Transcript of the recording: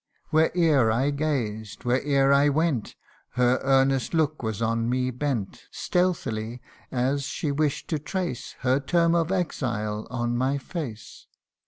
Where'er I gazed, where'er I went, Her earnest look was on me bent Stealthily, as she wish'd to trace Her term of exile on my face.